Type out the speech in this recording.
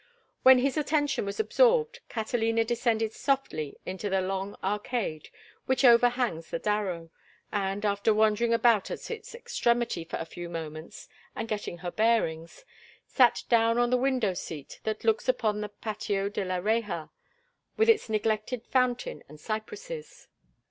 When his attention was absorbed Catalina descended softly into the long arcade which overhangs the Darro, and, after wandering about at its extremity for a few moments and getting her bearings, sat down on the window seat that looks upon the Patio de la Reja, with its neglected fountain and cypresses.